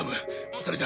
それじゃ！